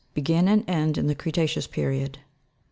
72), begin and end in the creta'ceous period.